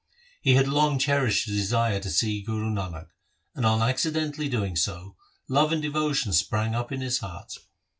He had long cherished a desire to see Guru Nanak, and, on accidentally doing so, love and devotion sprang up in his heart.